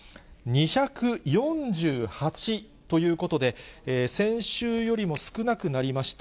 ２４８ということで、先週よりも少なくなりました。